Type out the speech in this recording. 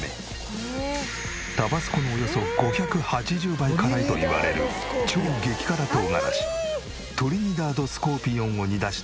タバスコのおよそ５８０倍辛いといわれる超激辛唐辛子トリニダード・スコーピオンを煮出したスープを投入。